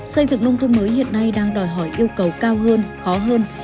xây dựng nông thôn mới hiện nay đang đòi hỏi yêu cầu cao hơn khó hơn